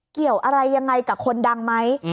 เกี่ยวอะไรยังไงกับคนดังไหม